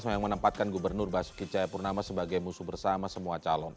yang menempatkan gubernur basuki cahayapurnama sebagai musuh bersama semua calon